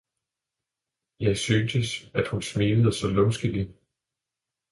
Jeg syntes at hun smilede så lumskelig.